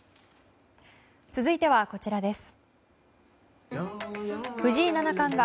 続いては、こちらです。